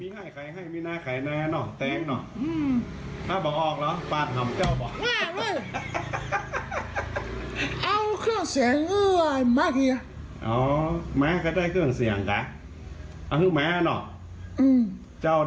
นี่คลิปนี้ค่ะ